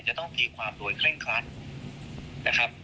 จะต้องตีความโดยเคร่งครัดนะครับ